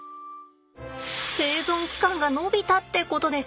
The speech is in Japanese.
生存期間が延びたってことです。